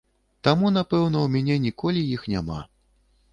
Таму, напэўна, ў мяне ніколі іх няма.